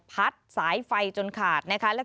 พัดสายไฟจนขาดนะคะ